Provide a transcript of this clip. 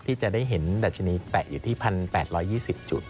ที่จะได้เห็นดัชนีแปะอยู่ที่๑๘๒๐จุด